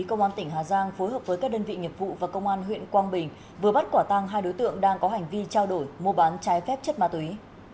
công an tỉnh hà giang phối hợp với các đơn vị nghiệp vụ và công an huyện quang bình vừa bắt quả tang hai đối tượng đang có hành vi trao đổi mua bán trái phép chất ma túy